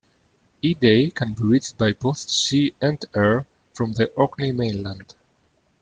Eday can be reached by both sea and air from the Orkney Mainland.